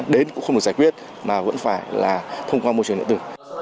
đến cũng không được giải quyết mà vẫn phải là thông qua môi trường điện tử